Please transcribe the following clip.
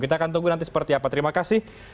kita akan tunggu nanti seperti apa terima kasih